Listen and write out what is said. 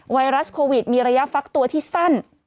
ไวรัสโควิดมีระยะฟักตัวที่สั้น